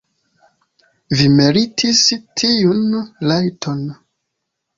Vi meritis tiun rajton.